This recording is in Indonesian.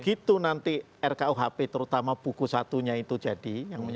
begitu nanti rkuhp terutama buku satunya itu jadi